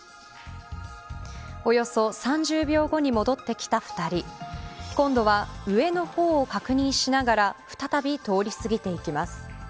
およそ３０秒後に戻ってきた２人今度は上の方を確認しながら再び通り過ぎていきます。